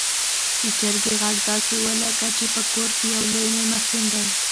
د چرګې غږ داسې و لکه چې په کور کې يو لوی میلمستون دی.